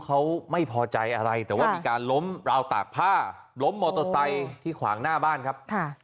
เขาไม่พอใจอะไรแต่ว่ามีการล้มราวตากผ้าล้มมอเตอร์ไซค์ที่ขวางหน้าบ้านครับ